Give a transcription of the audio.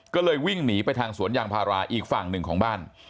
ก็เลยวิ่งหนีไปทางสวนยางพาราอีกฝั่งหนึ่งของบ้าน